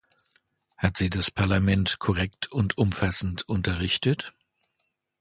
Hat sie das Parlament korrekt und umfassend unterrichtet?